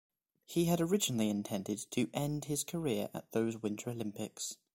He had originally intended to end his career at those Winter Olympics.